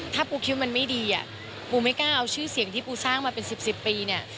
ถ้าปูคิดมันไม่ดีอ่ะปูไม่กล้าเอาชื่อเสียงที่ปูสร้างมาเป็น๑๐ปีเนี่ย